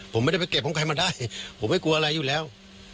ผมไม่ได้ไปเก็บของใครมาได้ผมไม่กลัวอะไรอยู่แล้ว